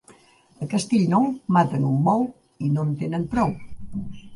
A Castellnou maten un bou i no en tenen prou.